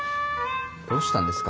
どうしたんですか？